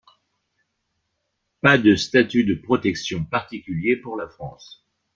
Pas de statut de protection particulier pour la France.